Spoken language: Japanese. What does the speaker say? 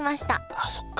あそっか！